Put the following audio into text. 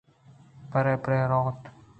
برے برے روت